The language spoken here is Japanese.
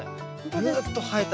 ぐっと生えた。